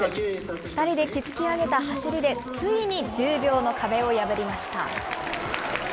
２人で築き上げた走りで、ついに１０秒の壁を破りました。